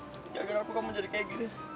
njagarin aku kamu jadi kayak gini